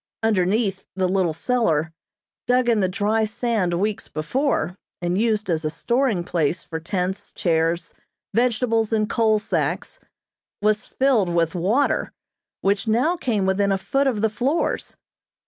Underneath, the little cellar, dug in the dry sand weeks before, and used as a storing place for tents, chairs, vegetables and coal sacks, was filled with water which now came within a foot of the floors.